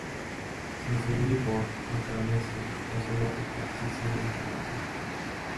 Se distribuye por Macaronesia, Norte de África y se extiende hasta la India.